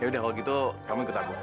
ya udah kalau gitu kamu ikut aku